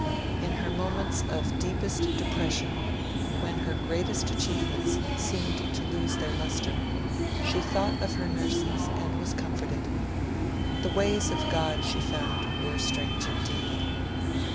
In her moments of deepest depression, when her greatest achievements seemed to lose their lustre, she thought of her nurses, and was comforted. The ways of God, she found, were strange indeed.